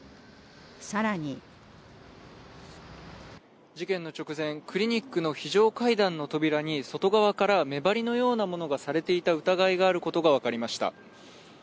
更に事件の直前、クリニックの非常階段の扉に外側から目張りのようなものがされていた疑いがあることが分かりました。